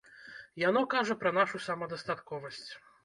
Яно кажа пра нашу самадастатковасць.